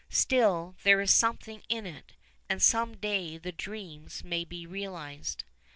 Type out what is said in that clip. Still, there is something in it, and some day the dreams may be realised.